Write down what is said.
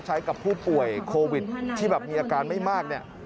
ใช้กับผู้ป่วยโควิดที่แบบมีอาการไม่มากเนี่ย